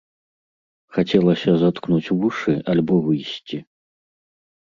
Хацелася заткнуць вушы альбо выйсці.